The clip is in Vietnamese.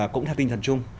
cũng theo tinh thần chung